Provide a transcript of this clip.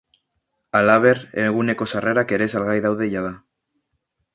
Halaber, eguneko sarrerak ere salgai daude jada.